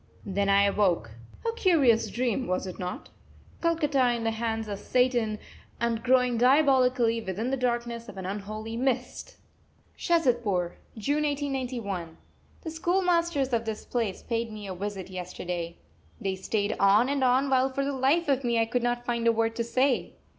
Then I awoke. A curious dream, was it not? Calcutta in the hands of Satan and growing diabolically, within the darkness of an unholy mist! SHAZADPUR, June 1891. The schoolmasters of this place paid me a visit yesterday. They stayed on and on, while for the life of me I could not find a word to say.